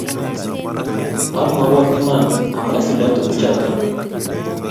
Amwawok iman ama isulda tuguchoto